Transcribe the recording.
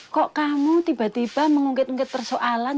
kok kamu tiba tiba mengungkit ungkit persoalan